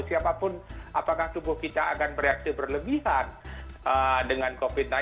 siapapun apakah tubuh kita akan bereaksi berlebihan dengan covid sembilan belas